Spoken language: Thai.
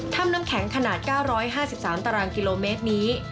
น้ำแข็งขนาด๙๕๓ตารางกิโลเมตรนี้